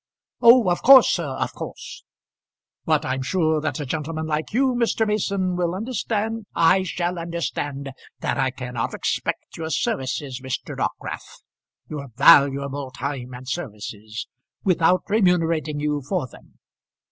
"Oh, of course, sir, of course. But I'm sure that a gentleman like you, Mr. Mason, will understand " "I shall understand that I cannot expect your services, Mr. Dockwrath, your valuable time and services, without remunerating you for them.